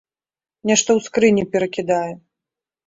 Нешта ў скрыні перакідае.